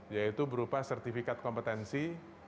yaitu berupa sertifikat kompetensi